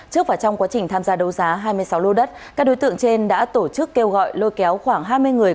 trước và trong quá trình tham gia đấu giá hai mươi sáu lô đất các đối tượng trên đã tổ chức kêu gọi lôi kéo khoảng hai mươi người